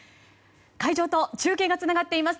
会場と中継がつながっています。